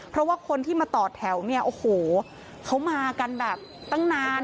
เพราะว่าคนที่มาต่อแถวเนี่ยโอ้โหเขามากันแบบตั้งนาน